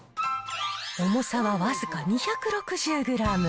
重さは僅か２６０グラム。